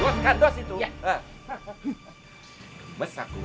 nah dos kan dos itu